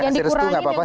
yang dikurangi memang